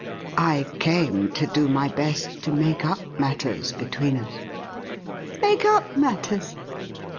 ' I came to do my best to make up matters between us.' ' Make up matters